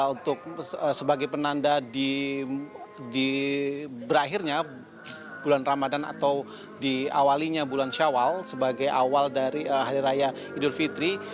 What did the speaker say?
untuk sebagai penanda di berakhirnya bulan ramadan atau diawalinya bulan syawal sebagai awal dari hari raya idul fitri